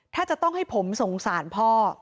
ถ้าจะต้องให้ผมสงสารพ่อ